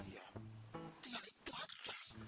ya tinggal itu artinya